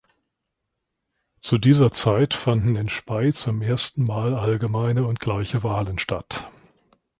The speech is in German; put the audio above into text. Zu dieser Zeit fanden in Spay zum ersten Mal allgemeine und gleiche Wahlen statt.